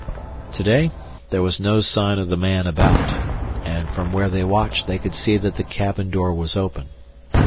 Today there was no sign of the man about, and from where they watched they could see that the cabin door was open.